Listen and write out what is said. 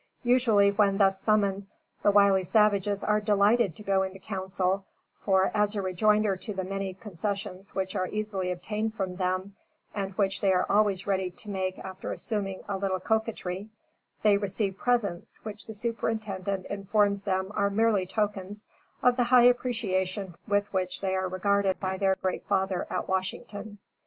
Usually when thus summoned, the wily savages are delighted to go into council, for, as a rejoinder to the many concessions which are easily obtained from them, and which they are always ready to make after assuming a little coquetry, they receive presents which the superintendent informs them are merely tokens of the high appreciation with which they are regarded by their Great Father at Washington.